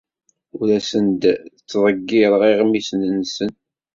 Ur asen-d-ttḍeggireɣ iɣmisen-nsen.